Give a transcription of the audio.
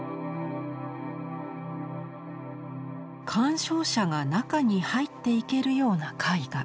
鑑賞者が中に入っていけるような絵画。